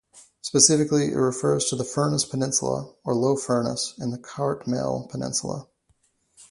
Specifically it refers to the Furness Peninsula, or Low Furness and the Cartmel Peninsula.